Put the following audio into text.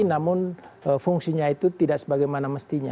namun fungsinya itu tidak sebagaimana mestinya